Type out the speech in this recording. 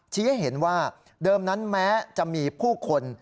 ให้เห็นว่าเดิมนั้นแม้จะมีผู้คน